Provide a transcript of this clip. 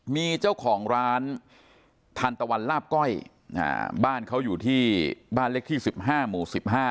มีเจ้าของร้านทันตะวันลาบก้อยบ้านเขาอยู่ที่บ้านเล็กที่๑๕หมู่๑๕